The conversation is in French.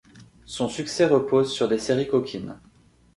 Son succès repose sur des séries coquines.